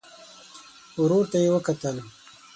ورور ته يې وکتل.